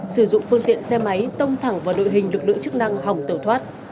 sử dụng phương tiện xe máy tông thẳng vào đội hình lực lượng chức năng hỏng tẩu thoát